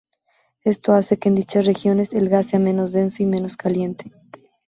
Esto hace que en dichas regiones el gas sea menos denso y menos caliente.